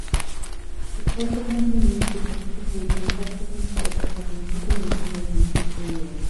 It also continues to participate in subsequent steps of ubiquination as a Ub carrier.